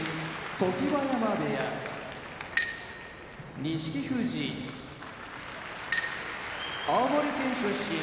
常盤山部屋錦富士青森県出身